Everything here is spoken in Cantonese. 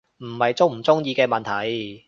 唔係鍾唔鍾意嘅問題